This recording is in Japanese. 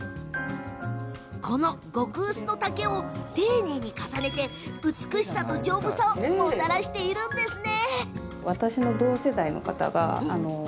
この極薄の竹を丁寧に重ねて美しさと丈夫さをもたらしているんですね。